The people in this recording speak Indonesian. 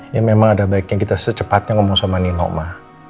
ya memang ada baiknya kita secepatnya ngomong sama nino